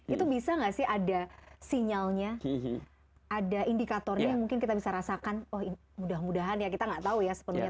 itu bisa nggak sih ada sinyalnya ada indikatornya yang mungkin kita bisa rasakan oh mudah mudahan ya kita nggak tahu ya sepenuhnya